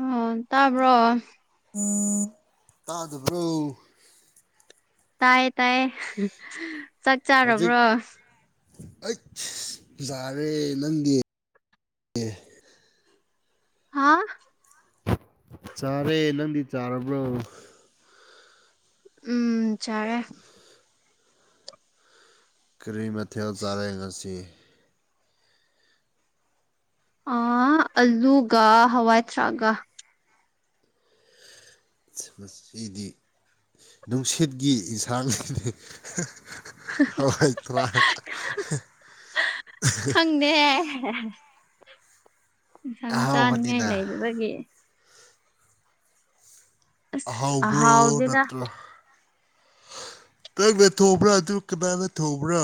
ꯑꯣ ꯇꯕ꯭ꯔꫭ ꯇꯥꯗꯕ꯭ꯔꯣ ꯇꯥꯏ ꯇꯥꯏꯌꯦ ꯆꯥꯛ ꯆꯥꯔꯕ꯭ꯔꯣ ꯑꯩꯠ ꯌꯖꯥꯔꯦ ꯅꯪꯗꯤ ꯍꯥ ꯆꯥꯔꯦ ꯅꯪꯗꯤ ꯆꯥꯔꯕ꯭ꯔꯣ ꯎꯝ ꯆꯔꯦ ꯀꯔꯤ ꯃꯊꯦꯜ ꯆꯥꯔꯦ ꯉꯁꯤ ꯑ ꯑꯂꯨꯒ ꯍꯋꯥꯏꯊ꯭ꯔꯥꯛꯒ ꯃꯁꯤꯗꯤ ꯅꯨꯡꯁꯤꯠꯀꯤ ꯌꯦꯟꯁꯥꯡꯅꯤꯅꯦ ꯍꯋꯥꯏ ꯊ꯭ꯔꯥꯛ ꯈꯪꯗꯦꯍꯦ ꯏꯟꯁꯥꯡ ꯆꯥꯅꯤꯉꯥꯏ ꯑꯍꯥꯎꯕꯅꯤꯅ ꯂꯩꯇꯕꯒꯤ ꯑꯁ ꯑꯍꯥꯎꯕ꯭ꯔꯣ ꯍꯥꯎꯗꯦꯗ ꯅꯠꯇ꯭ꯔ ꯇꯪꯅ ꯊꯣꯡꯕ꯭ꯔ ꯑꯗꯨ ꯀꯅꯥꯅ ꯊꯣꯡꯕ꯭ꯔ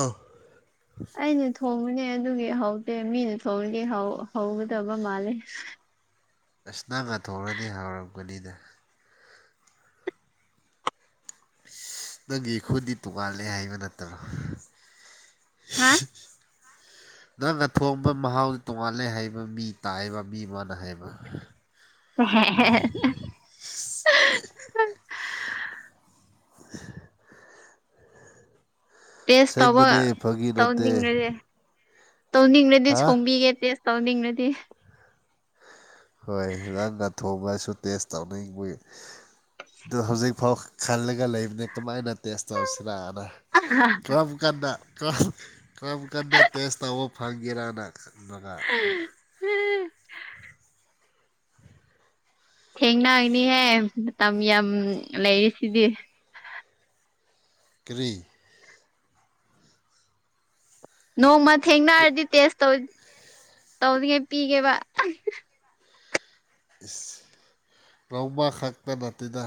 ꯑꯩꯅ ꯊꯣꯡꯕꯅꯦ ꯑꯗꯨꯒꯤ ꯍꯧꯇꯦ ꯃꯤꯅ ꯊꯣꯡꯉꯗꯤ ꯍꯧ ꯍꯧꯒꯗꯕ ꯃꯥꯜꯂꯦ ꯑꯁ ꯅꯪꯅ ꯊꯣꯡꯔꯗꯤ ꯍꯧꯔꯝꯒꯅꯤꯗ ꯅꯪꯒꯤ ꯈꯨꯟꯗꯤ ꯇꯣꯉꯥꯜꯂꯦ ꯍꯥꯏꯕ ꯅꯠꯇ꯭ꯔꯣ ꯍꯥꯥ ꯅꯪꯅ ꯊꯣꯡꯕ ꯃꯍꯥꯎꯗꯤ ꯇꯣꯉꯥꯟꯂꯦ ꯍꯩꯕ ꯃꯤ ꯇꯥꯏꯕ ꯃꯤ ꯃ ꯥꯅꯍꯥꯏꯕ [unintelligible] ꯇꯦꯁ ꯇꯧꯕ ꯑꯁꯦꯡꯕꯅꯦ ꯐꯥꯒꯤ ꯅꯠꯇꯦ ꯇꯧꯅꯤꯡꯉꯁꯦ ꯇꯧꯅꯤꯡꯉꯗꯤ ꯍꯥ ꯊꫭꯡꯕꯤꯒꯦ ꯇꯦꯁ ꯇꯧꯅꯤꯡꯉꯗꯤ ꯍꯣꯏ ꯅꯪꯅ ꯊꯣꯡꯕꯁꯨ ꯇꯦꯁ ꯇꯧꯅꯤꯡꯕꯒꯤ ꯑꯗꯨ ꯍꯧꯖꯤꯛꯐꯥꯎ ꯈꯜꯂꯒ ꯂꯩꯕꯅꯤ ꯀꯃꯥꯏꯅ ꯇꯦꯁ ꯇꯧꯁꯤꯔꯅ ꯀꯔꯝ ꯀꯥꯟꯗ ꯀꯔꯝ ꯀꯔꯝ ꯀꯥꯟꯗ ꯇꯦꯁꯇꯧꯕ ꯐꯪꯒꯦꯅ ꯈꯟꯕꯗ ꯊꯦꯡꯅꯅꯤꯍꯦ ꯃꯇꯝ ꯌꯥꯝ ꯂꯩꯔꯤ ꯁꯤꯗꯤ ꯀ꯭ꯔꯤ ꯅꯣꯡꯃ ꯊꯦꯡꯅꯔꯗꯤ ꯇꯦꯁ ꯇꯧ ꯇꯧꯔꯤꯉꯩ ꯄꯤꯒꯦꯕ ꯂꯧꯕ ꯈꯛꯇ ꯅꯠꯇꯅ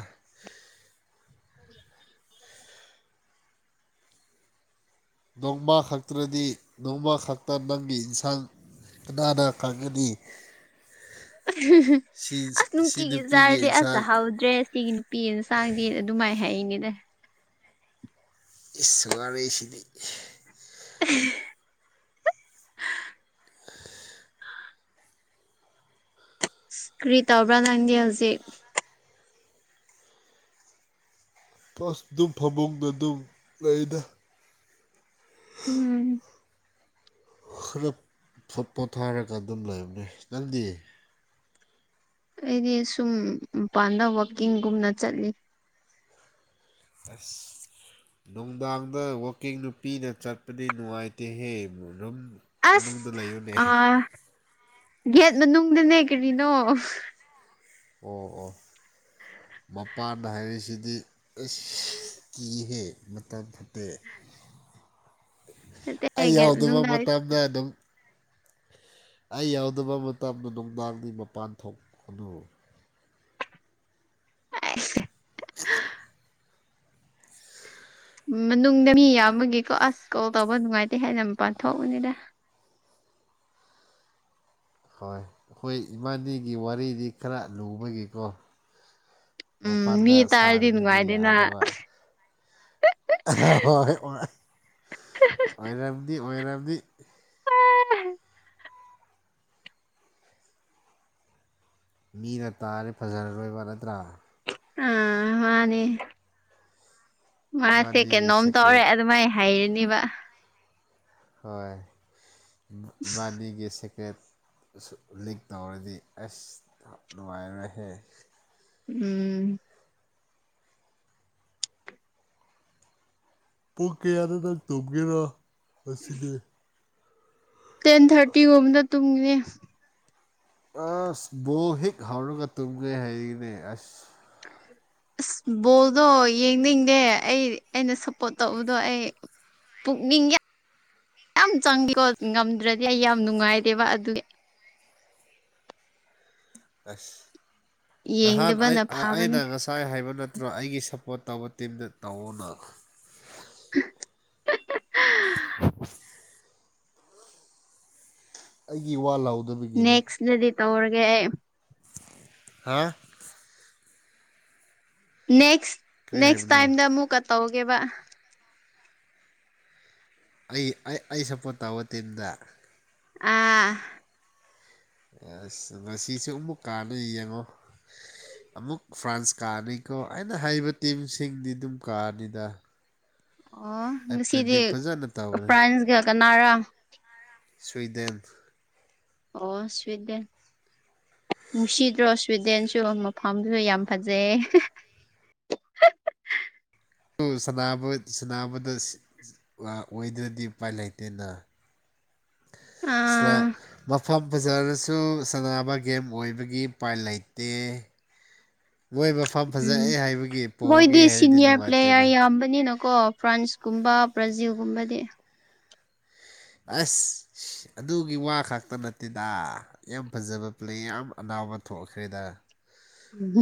ꯅꯣꯡꯃ ꯈꯛꯇ꯭ꯔꯗꯤ ꯅꯣꯡꯃ ꯈꯛꯇ ꯅꯪꯒꯤ ꯏꯟꯁꯥꯡ ꯀꯅꯥꯅꯥ ꯈꯪꯒꯗꯤ ꯑꯁ ꯁꯤ ꯅꯨꯡꯇꯤꯒꯤ ꯅꯨꯄꯤꯒꯤ ꯆꯥꯔꯗꯤ ꯑꯁꯇ ꯏꯟꯁꯥꯡ ꯍꯥꯎꯗ꯭ꯔꯦꯒꯤ ꯅꯨꯄꯤꯅ ꯆꯥꯡꯗꯦꯅ ꯑꯗꯨꯝ ꯃꯥꯏ ꯍꯦ ꯏꯉꯗ ꯁꯃꯔ ꯁꯤꯗꯤ [inaudible] ꯁꯀ꯭ꯔꯤ ꯇꯕ꯭ꯔꯥ ꯅꯪꯗꯤ ꯍꯧꯖꯤꯛ ꯄꯁ ꯑꯗꯨꯝ ꯐꯃꯨꯡꯗ ꯑꯗꯨꯝ ꯂꯩꯗ ꯎꯝ ꯈꯔꯣꯠ ꯄꯣꯊꯥꯔꯒ ꯑꯗꯨꯝ ꯂꯩꯕꯅꯦ ꯅꯪꯗꯤ ꯑꯩꯗꯤ ꯁꯨꯝ ꯃꯄꯥꯟꯗ ꯋꯥꯛꯀꯤꯡꯒꯨꯝꯅ ꯆꯠꯂꯤ ꯑꯁ ꯅꯨꯡꯗꯥꯡꯗ ꯋꯀꯤꯡ ꯅꯨꯄꯤꯅ ꯆꯠꯄꯗꯤ ꯅꯨꯡꯉꯥꯏꯇꯦꯍꯦ ꯔꯨꯝ ꯑꯁ ꯑ ꯒꯦꯠ ꯃꯅꯨꯡꯗꯅꯦ ꯀꯔꯤꯅꯣ ꯑꯣ ꯑꯣ ꯃꯄꯥꯟꯗ ꯍꯥꯏꯔꯤꯁꯤꯗꯤ ꯏꯁꯀꯤꯍ ꯃꯇꯕꯇ ꯅꯠꯇꯦ ꯑꯩ ꯒꯦꯠ ꯌꯥꯎꯗꯕ ꯃꯅꯨꯡꯗ ꯍꯥꯏ ꯃꯇꯝꯗ ꯑꯗꯨꯝ ꯑꯩ ꯌꯥꯎꯗꯕ ꯃꯇꯝꯗ ꯅꯨꯡꯗꯥꯡꯗꯤ ꯃꯄꯥꯟ ꯊꯣꯛꯀꯅꯨ ꯑ ꯍ ꯃꯅꯨꯡꯗ ꯃꯤ ꯌꯥꯝꯕꯒꯦꯀꯣ ꯑꯁ ꯀꯣꯜ ꯇꯧꯕ ꯅꯨꯡꯉꯥꯏꯇꯦ ꯍꯥꯏꯦꯅ ꯃꯄꯥꯟ ꯊꯣꯛꯣꯛꯄꯅꯤꯗ ꯍꯣꯏ ꯑꯩꯈꯣꯏ ꯏꯃꯥꯟꯅꯤꯒꯤ ꯋꯥꯔꯤꯗꯤ ꯈꯔ ꯂꯨꯕꯒꯤꯀꯣ ꯎꯝ ꯃꯄꯥꯟꯗ ꯃꯤ ꯇꯥꯔꯗꯤ ꯁꯥꯔꯗꯗꯤ ꯅꯨꯡꯉꯥꯏꯗꯦꯅ ꯌꯥꯗꯕ ꯍꯣꯏ ꯑꯣꯏꯔꯝꯗꯤ ꯑꯣꯏꯔꯕꯔꯕꯗꯤ ꯎꯝ ꯃꯤꯅ ꯇꯥꯔꯦ ꯐꯖꯔꯔꯣꯏꯕ ꯅꯠꯇ꯭ꯔꯥ ꯑꯥ ꯃꯥꯅꯦ ꯃꯥꯁꯦ ꯏꯕꯥꯅꯤꯒꯤ ꯀꯩꯅꯣꯝ ꯇꯧꯔꯦ ꯁꯦꯀ꯭ꯔꯦꯠ ꯑꯗꯨꯃꯥꯏꯅ ꯍꯩꯔꯅꯤꯕ ꯍꯣꯏ ꯏꯅꯤꯒꯤ ꯀꯦꯠ ꯂꯤꯛ ꯇꯧꯔꯗꯤ ꯑꯁ ꯅꯨꯡꯉꯥꯏꯔꯣꯏꯍꯦ ꯎꯝ ꯄꯣꯛꯀꯦꯌꯥꯗ ꯅꯪ ꯇꯧꯒꯦꯔꯣ ꯑꯁꯤꯗꯤ ꯇꯦꯟ ꯊꯥꯔꯇꯤꯒꯨꯝꯕꯗ ꯇꯨꯝꯒꯦ ꯑꯁ ꯕꯣꯛ ꯍꯤꯦꯛ ꯍꯧꯔꯒ ꯇꯨꯝꯒꯦ ꯍꯥꯏꯔꯤꯅꯦ ꯑꯁ ꯎꯝ ꯑꯁ ꯕꯣꯜꯗꯣ ꯌꯦꯡꯅꯤꯡꯗꯦ ꯑꯩ ꯑꯩꯅ ꯁꯞꯄꯣꯔꯠ ꯇꯧꯕꯗꯣ ꯑꯩ ꯄꯨꯅꯤꯡꯒ ꯌꯥꯝ ꯆꯪꯉꯀꯣ ꯉꯝꯗ꯭ꯔꯗꯤ ꯑꯩ ꯌꯥꯝ ꯅꯨꯡꯉꯥꯏꯗꯦꯕ ꯑꯗꯨꯗꯤ ꯑꯁ ꯅꯍꯥꯟ ꯌꯦꯡꯗꯕꯅ ꯐꯥꯕꯅꯦ ꯑꯩꯅ ꯉꯁꯥꯏ ꯍꯥꯏꯕ ꯅ ꯅꯠꯇ꯭ꯔ ꯑꯩꯒꯤ ꯁꯞꯄꯣꯔꯠ ꯇꯧꯕ ꯇꯤꯝꯗ ꯇꯧꯑꯣꯅ [unintelligible] [inaudible] ꯑꯩꯒꯤ ꯋꯥ ꯂꯥꯎꯗ ꯅꯦꯛꯁꯗꯤ ꯇꯧꯔꯒꯦ ꯍꯥ ꯅꯦꯛꯁ ꯀꯔꯤ ꯅꯦꯛꯁ ꯍꯥꯏꯕꯅꯣ ꯇꯥꯏꯝꯗ ꯑꯃꯨꯛꯀ ꯇꯧꯒꯦꯕ ꯑꯩ ꯑꯩ ꯁꯞꯄꯣꯔꯠ ꯇꯧꯕ ꯇꯤꯝꯗ ꯑꯥ ꯑꯁ ꯉꯁꯤꯁꯨ ꯑꯃꯨꯛ ꯀꯥꯗ ꯌꯦꯡꯉꯣ ꯑꯃꯨꯛ ꯐ꯭ꯔꯥꯟꯁ ꯀꯥꯔꯅꯤꯀꯣ ꯑꯩꯅ ꯍꯥꯏꯔꯤꯕ ꯇꯤꯝꯁꯤꯡꯗꯤ ꯑꯗꯨꯝ ꯀꯥꯔꯅꯤꯗ ꯑꯣ ꯉꯁꯤꯗꯤ ꯇꯧꯕꯅꯦ ꯐ꯭ꯔꯥꯟꯁꯒ ꯀꯅꯥꯔꯥ ꯁ꯭ꯨꯋꯤꯗꯦꯟ ꯑꯣ ꯁ꯭ꯋꯤꯠꯗꯦꯟ ꯅꯨꯡꯁꯤꯗ꯭ꯔꯣ ꯁ꯭ꯋꯤꯗꯦꯟꯁꯨ ꯃꯐꯝꯁꯨ ꯌꯥꯝ ꯐꯖꯩ [unintelligible] ꯑꯗꯨ ꯁꯅꯕꯗ ꯑꯣꯏꯗ꯭ꯔꯗꯤ ꯎꯄꯥꯏ ꯂꯩꯇꯦꯅ ꯁ꯭ꯂ ꯑꯥ ꯃꯐꯝ ꯕꯖꯥꯔꯗꯁꯨ ꯁꯥꯟꯅꯕ ꯒꯦꯝ ꯑꯣꯏꯕꯒꯤ ꯎꯄꯥꯏ ꯂꯩꯇꯦ ꯃꯣꯏ ꯃꯐꯝ ꯎꯝ ꯐꯖꯑꯦ ꯍꯥꯏꯕꯒꯤ ꯄꯣꯛꯑꯒꯦ ꯃꯣꯏꯗꯤ ꯍꯥꯏꯔꯗꯤ ꯁꯤꯅꯤꯌꯔ ꯅꯨꯡꯉꯥꯏꯇꯦꯅ ꯄ꯭ꯂꯦꯌꯔ ꯌꯥꯝꯕꯅꯤꯅ ꯀꯣ ꯐ꯭ꯔꯥꯟꯁꯀꯨꯝꯕ ꯕ꯭ꯔꯥꯖꯤꯜꯒꯨꯝꯕꯗꯤ ꯑꯁ ꯑꯗꯨꯒꯤ ꯋꯥ ꯈꯛꯇ ꯅꯠꯇꯦꯗ ꯌꯥꯝ ꯐꯖꯕ ꯄ꯭ꯂꯦ ꯌꯥꯝ ꯑꯅꯥꯎꯕ ꯊꯣꯛꯈ꯭ꯔꯦꯗ ꯎ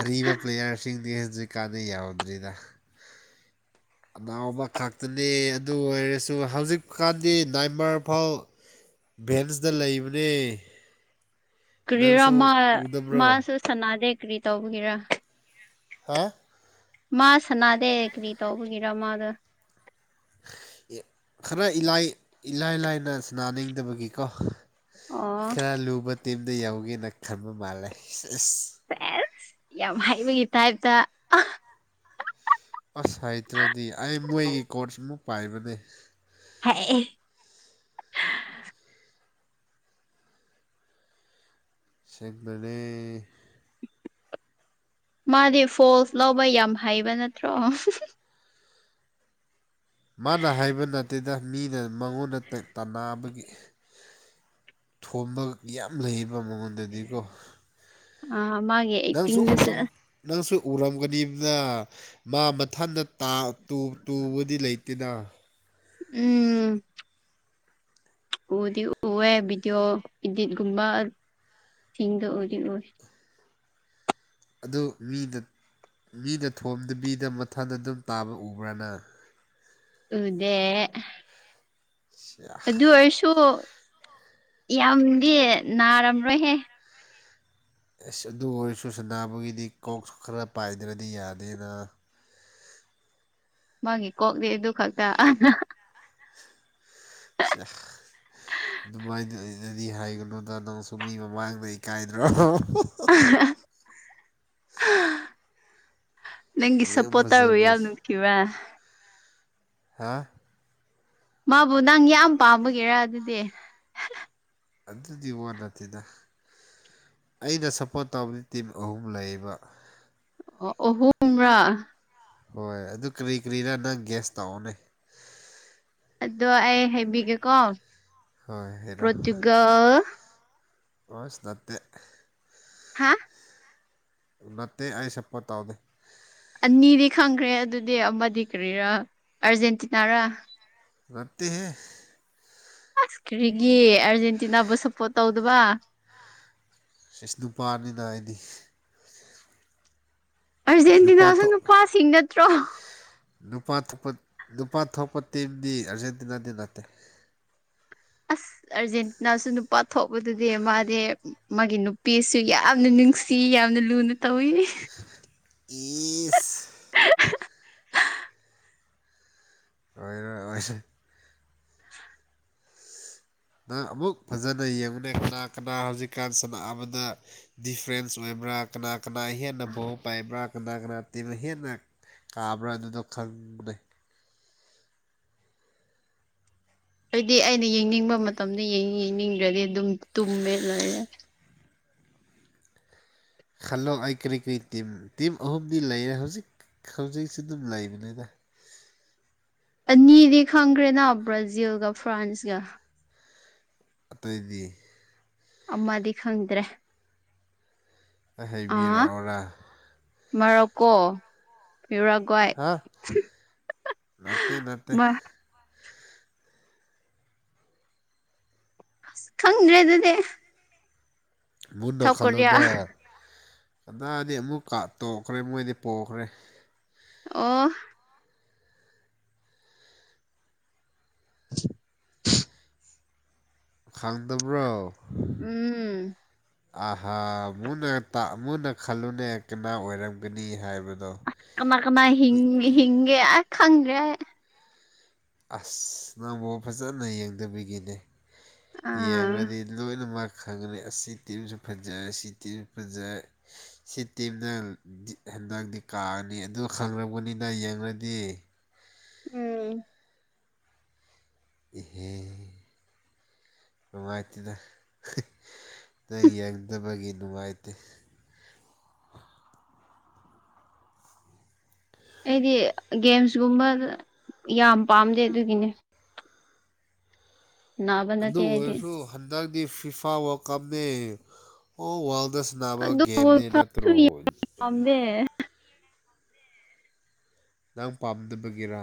ꯑꯔꯤꯕ ꯄ꯭ꯂꯦꯌꯥꯔꯁꯤꯡꯗꯤ ꯍꯧꯖꯤꯛ ꯀꯥꯟꯗꯩ ꯌꯥꯎꯗ꯭ꯔꯤꯗ ꯑꯅꯥꯎꯕ ꯈꯛꯇꯅꯤ ꯑꯗꯨ ꯑꯣꯏꯔꯁꯨ ꯍꯧꯖꯤꯛꯀꯥꯟꯗꯤ ꯅꯥꯏꯃꯔꯐꯥꯎ ꯚꯦꯟꯁꯇ ꯂꯩꯕꯅꯦ ꯀꯔꯤꯔꯣ ꯅꯪꯁꯨ ꯃꯥ ꯎꯗꯕ꯭ꯔꯣ ꯃꯥꯁꯨ ꯁꯅꯗꯦ ꯀ꯭ꯔꯤ ꯇꯧꯕꯒꯤꯔꯥ ꯍꯥ ꯃꯥ ꯁꯅꯥꯗ ꯀꯔꯤꯇꯥꯒꯔ ꯃꯥꯗ ꯈꯔꯥꯏ ꯏꯂꯥꯏ ꯂꯥꯏꯅ ꯅꯤꯡꯗꯕꯒꯤꯀꯣ ꯑꯣ ꯈꯔ ꯂꯨꯕ ꯇꯤꯝꯗ ꯌꯧꯒꯦꯅ ꯈꯟꯕ ꯃꯥꯜꯂꯦ ꯑꯁ ꯁꯦꯁ ꯌꯥꯝ ꯍꯥꯏꯩꯕꯒꯤ ꯇꯥꯏꯞꯇ ꯑꯁ ꯍꯥꯏꯇ꯭ꯔꯗꯤ ꯑꯩ ꯃꯣꯏꯒꯤ ꯀꯣꯔꯆ ꯑꯃꯨ ꯄꯥꯏꯕꯅꯦ ꯍꯥꯏ ꯁꯤꯒ꯭ꯂ ꯃꯥꯗꯤ ꯐꯣꯜꯁ ꯂꯧꯕ ꯌꯥꯝ ꯍꯩꯕ ꯅꯠꯇ꯭ꯔꯣ ꯃꯥꯅ ꯍꯥꯏꯕ ꯅꯠꯇꯦꯗ ꯃꯤꯅ ꯃꯉꯣꯟꯗ ꯇꯕꯒꯤ ꯊꯣꯟꯝꯕ ꯌꯥꯝ ꯂꯩꯌꯦꯕ ꯃꯉꯣꯟꯗꯗꯤꯀꯣ ꯑꯥ ꯃꯥꯒꯤ ꯅꯪꯁꯨ ꯑꯦꯛꯇꯤꯡꯗꯨꯁꯨ ꯅꯪꯁꯨ ꯎꯔꯝꯒꯅꯤꯅ ꯃꯥ ꯃꯊꯇ ꯇꯨꯕꯗꯤ ꯂꯩꯇꯦꯅ ꯎꯝ ꯎꯗꯤ ꯎꯑꯦ ꯚꯗꯤꯑꯣ ꯏꯗꯤꯠꯒꯨꯝꯕ ꯊꯗ ꯎꯔ ꯑꯣꯏ ꯑ ꯃꯤꯗ ꯃꯤꯅ ꯊꯣꯝꯗꯕꯤꯗ ꯃꯊꯟꯗ ꯑꯗꯨꯝ ꯇꯥꯕ ꯎꯕ꯭ꯔꯅ ꯎꯗꯦ ꯑꯗꯨ ꯑꯣꯏꯔꯁꯨ ꯌꯥꯝꯗꯤ ꯅꯥꯔꯝꯔꯣꯏꯍꯦ ꯑꯦꯁ ꯑꯗꯨ ꯑꯣꯏꯔꯁꯨ ꯁꯅꯥꯕꯨꯒꯤꯗꯤ ꯀꯣꯛꯁꯨ ꯈꯔ ꯄꯥꯏꯗ꯭ꯔꯗꯤ ꯌꯥꯗꯦꯅ ꯃꯥꯒꯤ ꯀꯣꯛꯅꯤ ꯑꯗꯨ ꯈꯛꯇ ꯁꯤ ꯑꯗꯨꯃꯥꯏꯅꯗꯤ ꯍꯥꯏꯒꯅꯨꯗ ꯅꯪꯁꯨ ꯃꯤ ꯃꯃꯥꯡꯗ ꯏꯀꯥꯏꯗ꯭ꯔꯣ [unintelligible] ꯅꯪ ꯌꯥꯝ ꯁꯞꯄꯣꯇꯥꯥꯔꯕꯨ ꯐꯖꯕ ꯌꯥꯎꯅꯀꯤꯕ ꯍꯥ ꯃꯥꯕꯨ ꯅꯪ ꯌꯥꯝ ꯄꯥꯝꯕꯒꯦꯔꯥ ꯑꯗꯨꯗꯤ ꯑꯗꯨꯗꯤ ꯋꯥ ꯅꯠꯇꯦꯗ ꯑꯩꯅ ꯁꯞꯄꯣꯔꯠ ꯇꯧꯕꯗꯤ ꯇꯤꯝ ꯑꯍꯨꯝ ꯂꯩꯌꯦꯕ ꯑꯣ ꯑꯣꯍꯨꯝꯨꯝ꯭ꯔꯥ ꯍꯣꯏ ꯑꯗꯨ ꯀꯤꯔꯤ ꯀꯤꯔꯤꯔ ꯅꯪ ꯒ꯭ꯌꯦꯁ ꯇꯧꯑꯣꯅꯦ ꯑꯗꯣ ꯑꯩ ꯍꯥꯏꯕꯤꯒꯦꯀꯣ ꯍꯣꯏ ꯍꯥꯏꯔꯣ ꯄ꯭ꯔꯣꯇꯨꯒꯜ ꯑꯁ ꯅꯠꯇꯦ ꯍꯥꯥ ꯅꯠꯇꯦ ꯑꯩ ꯁꯄꯣꯔꯠ ꯇꯧꯗꯦ ꯑꯅꯤꯗꯤ ꯈꯪꯈ꯭ꯔꯦ ꯑꯗꯨꯗꯤ ꯑꯃꯗꯤ ꯀꯔꯤꯔꯥ ꯑꯥꯔꯖꯦꯟꯇꯤꯅꯥꯔꯥ ꯅꯠꯇꯦꯍꯦ ꯑꯁ ꯀꯔꯤꯒꯤ ꯑꯥꯔꯖꯦꯟꯇꯤꯅꯥꯕꯨ ꯁꯞꯄꯣꯔꯠ ꯇꯧꯗꯕ ꯁꯤꯁ ꯅꯨꯄꯥꯅꯤꯅ ꯑꯩꯗꯤ ꯅꯨꯄꯥ ꯑꯥꯔꯖꯦꯟꯇꯤꯅꯥꯁꯨ ꯊꯣꯛ ꯅꯨꯄꯥꯁꯤꯡ ꯅꯠꯇ꯭ꯔꯣ ꯅꯨꯄꯥ ꯊꯣꯛꯄ ꯅꯨꯄꯥ ꯊꯣꯛꯄ ꯇꯤꯝꯗꯤ ꯑꯥꯔꯖꯦꯟꯇꯤꯅꯥꯗꯤ ꯅꯠꯇꯦ ꯑꯁ ꯑꯥꯔꯖꯦꯟꯇꯤꯅꯥꯁꯨ ꯅꯨꯄꯥ ꯊꯣꯛꯄꯗꯨꯗꯤ ꯃꯥꯗꯤ ꯃꯥꯒꯤ ꯅꯨꯄꯤꯁꯨ ꯌꯥꯝꯅ ꯅꯨꯡꯁꯤ ꯌꯥꯝꯅ ꯂꯨꯅ ꯇꯧꯏ ꯏꯁ ꯑꯣꯏꯔꯣꯏ ꯑꯣꯏꯔꯣꯏ [inaudible] ꯅꯪ ꯑꯃꯨꯛ ꯐꯖꯅ ꯌꯦꯡꯉꯨꯅꯦ ꯀꯅꯥ ꯀꯅꯥ ꯍꯧꯖꯤꯛꯀꯥꯟ ꯁꯅꯥꯕꯗ ꯗꯤꯐ꯭ꯔꯦꯟꯁ ꯑꯣꯏ ꯀꯅꯥ ꯀꯅꯥ ꯀꯅꯥ ꯍꯦꯟꯅ ꯄꯥꯋꯔ ꯄꯥꯏꯕ꯭ꯔꯥ ꯀꯅꯥ ꯀꯅꯥ ꯇꯤꯝꯅ ꯍꯦꯟꯅ ꯀꯥꯕ꯭ꯔ ꯑꯗꯨ ꯑꯗꯨꯝ ꯈꯪꯕꯅꯦ ꯑꯩꯗꯤ ꯑꯩꯅ ꯌꯦꯡꯅꯤꯡꯕ ꯃꯇꯝꯗ ꯌꯦꯡꯉꯤ ꯌꯦꯡꯅꯤꯡꯗ꯭ꯔꯗꯤ ꯑꯗꯨꯝ ꯇꯨꯝꯃꯦ ꯂꯣꯏꯔꯦ ꯈꯜꯂꯣ ꯑꯩ ꯀꯔꯤ ꯀꯔꯤ ꯇꯤꯝ ꯇꯤꯝ ꯑꯍꯨꯝꯗꯤ ꯂꯩꯌꯦ ꯍꯧꯖꯤꯛ ꯍꯧꯖꯤꯛꯁꯨ ꯗꯨꯝ ꯂꯩꯕꯅꯤꯗ ꯑꯅꯤꯗꯤ ꯈꯪꯈ꯭ꯔꯦꯅ ꯕ꯭ꯔꯥꯖꯤꯜꯒ ꯐ꯭ꯔꯥꯟꯁꯒ ꯑꯇꯩꯗꯤ ꯑꯃꯗꯤ ꯈꯪꯗ꯭ꯔꯦ ꯑꯩꯪ ꯍꯥꯏꯕꯤꯔꯛꯑꯣꯔꯥ ꯃꯣꯔꯣꯛꯀꯣ ꯎꯨꯔꯥꯒ꯭ꯌꯥꯏ ꯍꯥ ꯅꯠꯇꯦ ꯅꯠꯇꯦ ꯃꯥ ꯑꯁ ꯈꯪꯗ꯭ꯔꯦ ꯑꯗꯨꯗꯤ ꯃꯨꯟꯅ ꯁꯥꯎꯠ ꯀꯣꯔꯤꯌꯥ ꯈꯜꯂꯨꯗ ꯀꯅꯥꯗꯤ ꯑꯃꯨꯛꯀꯥ ꯇꯣꯛꯈ꯭ꯔꯦ ꯃꯣꯏꯗꯤ ꯄꯣꯛꯈ꯭ꯔꯦ ꯑꯣ ꯈꯪꯗꯕ꯭ꯔꯣ ꯎꯝ ꯑꯍꯥ ꯃꯨꯅ ꯃꯨꯅ ꯈꯜꯂꯨꯅꯦ ꯀꯅꯥ ꯑꯣꯏꯔꯝꯒꯅꯤ ꯍꯥꯏꯕ ꯑ ꯀꯃꯥꯏ ꯀꯃꯥꯏ ꯍꯤꯡ ꯍꯤꯡꯒꯦ ꯑ ꯈꯪꯗ꯭ꯔꯦ ꯑꯩ ꯑꯁ ꯅꯪꯕꯨ ꯐꯖꯅ ꯌꯦꯡꯗꯕꯥꯒꯤꯅꯦ ꯑꯥ ꯌꯦꯡꯉꯗꯤ ꯂꯣꯏꯅꯃꯛ ꯈꯪꯒꯅꯤ ꯑꯁꯤ ꯇꯤꯝꯁꯨ ꯐꯖꯩ ꯁꯤ ꯇꯤꯝꯁꯨ ꯐꯖꯩ ꯁꯤ ꯇꯤꯝꯅ ꯍꯟꯗꯥꯛꯗꯤ ꯀꯥꯅꯤ ꯑꯗꯨ ꯈꯪꯕꯅꯤꯅ ꯌꯦꯡꯉꯗꯤ ꯎꯝ ꯏꯍꯦ ꯅꯨꯡꯉꯥꯏꯇꯦꯗꯥ ꯅꯪ ꯌꯦꯡꯗꯕꯒꯤ ꯅꯨꯡꯉꯥꯏꯇꯦ ꯑꯩꯗꯤ ꯒꯦꯝꯁꯀꯨꯝꯕ ꯌꯥꯝ ꯄꯥꯝꯗꯦ ꯑꯗꯨꯒꯤꯅꯦ ꯅꯥꯕ ꯑꯗꯨ ꯅꯠꯇꯦ ꯑꯩꯗꯤ ꯑꯣꯏꯔꯁꯨ ꯍꯟꯗꯛꯀꯤ ꯐꯤꯐꯥ ꯋ꯭ꯔꯜ ꯀꯨꯞꯇ ꯋ꯭ꯔꯜ ꯗꯥ ꯁꯅꯥꯕ ꯑꯗꯨ ꯒꯦꯝꯅꯤ ꯈꯔꯁꯨ ꯅꯠꯇ꯭ꯔꯣ ꯌꯥꯝꯗꯦ ꯅꯪ ꯄꯥꯝꯗꯕꯒꯤꯔꯥ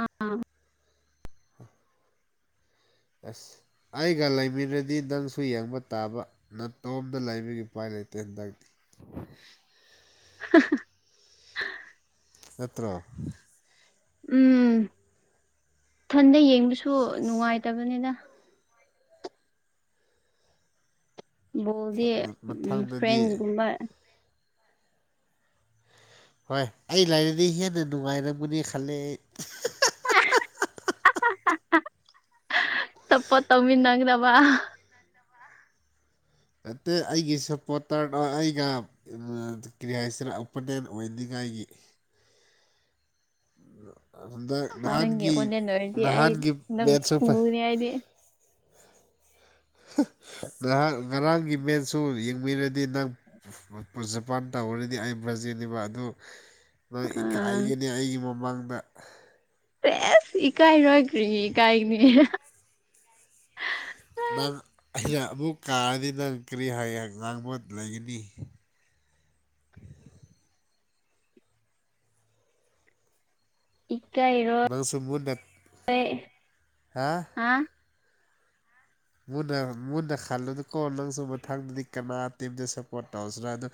ꯑꯥ ꯑꯁ ꯑꯩꯒ ꯂꯩꯃꯤꯟꯅꯔꯗꯤ ꯅꯪꯁꯨ ꯌꯦꯡꯕ ꯇꯥꯕ ꯅꯇꯣꯝꯗ ꯂꯩꯕꯒꯤ ꯎꯄꯥꯏ ꯂꯩꯇꯦ ꯅꯪꯗ ꯑ ꯅꯠꯇ꯭ꯔꯣ ꯎꯝ ꯏꯊꯟꯗ ꯌꯦꯡꯕꯁꯨ ꯅꯨꯡꯉꯥꯏꯇꯕꯅꯤꯅ [unintelligible] ꯗꯤ ꯎꯝ ꯃꯊꯪꯗꯗꯤ ꯐ꯭ꯔꯦꯟꯁꯒꯨꯝꯕ ꯍꯣꯏ ꯑꯩ ꯂꯥꯏꯔꯗꯤ ꯍꯦꯟꯅ ꯅꯨꯡꯉꯥꯏꯔꯝꯒꯅꯤ ꯈꯂꯦ ꯑꯩ ꯆꯞꯄ ꯇꯧꯃꯤ ꯅꯪꯗꯕ ꯅꯠꯇꯇꯩ ꯑꯩꯒꯤ ꯁꯞꯄꯣꯔꯇꯔ ꯑꯩꯒ ꯀ꯭ꯔꯤꯍꯥꯏꯁꯤꯅ ꯑꯣꯄꯣꯅꯦꯟ ꯑꯣꯏꯅꯤꯡꯉꯥꯏ ꯑꯩꯥꯏꯒꯤ ꯑ ꯑꯗꯨ ꯅꯪꯒꯤ ꯅꯍꯥꯟꯒꯤ ꯑꯣꯄꯣꯅꯦꯟ ꯑꯣꯏꯔꯗꯤ ꯑꯩ ꯅꯍꯥꯟꯒꯤ ꯅꯪ ꯃꯦꯟꯁꯨꯄ ꯐꯨꯅꯤ ꯑꯩꯗꯤ ꯉꯍꯥꯛ ꯉꯔꯥꯡꯒꯤ ꯃꯦꯟꯁꯨ ꯌꯦꯡꯕꯤꯔꯗꯤ ꯅꯪ ꯖꯄꯥꯟ ꯇ ꯇꯧꯔꯗꯤ ꯑꯩ ꯐꯖꯅꯦꯕ ꯑꯗꯨ ꯅꯪ ꯑꯥ ꯏꯀꯥꯏꯒꯅꯤ ꯑꯩꯒꯤ ꯃꯃꯥꯡꯗ ꯑꯦꯁ ꯏꯀꯥꯏꯔꯣꯏ ꯀ꯭ꯔꯤ ꯏꯀꯥꯏꯅꯤ ꯅꯪ ꯑꯩꯅ ꯑꯃꯨꯛ ꯀꯥꯔꯗꯤ ꯅꯪ ꯀꯔꯤ ꯍꯥꯏ ꯉꯥꯡꯕꯣꯠ ꯂꯩꯒꯅꯤ [inaudible] ꯏ ꯀꯔꯣ ꯅꯪꯁꯨ ꯃꯨꯟꯅ ꯍꯥ ꯑ ꯃꯨꯟꯅ ꯃꯨꯟꯅ ꯈꯜꯂꯨꯗ ꯀꯣ ꯅꯪꯁꯨ ꯃꯊꯪꯗꯗꯤ ꯀꯅꯥ ꯇꯤꯝꯗ ꯁꯞꯄꯣꯔꯠ ꯇꯧꯁꯤꯔꯥ ꯑꯗꯨꯣ